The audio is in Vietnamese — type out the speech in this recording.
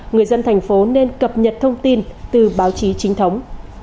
người dân thành phố nên cập nhật thông tin từ báo chí chính thống